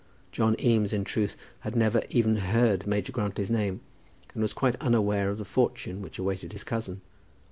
John Eames, in truth, had never even heard Major Grantly's name, and was quite unaware of the fortune which awaited his cousin.